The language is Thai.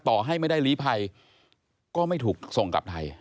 ต่อให้ไม่ได้ลีภัยก็ไม่ถูกส่งกลับไทย